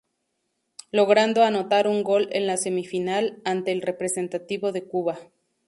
Logrando anotar un gol en la semifinal, ante el representativo de Cuba.